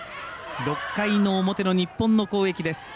６回の表の日本の攻撃です。